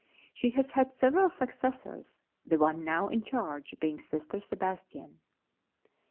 She has had several successors, the one now in charge being Sister Sebastian.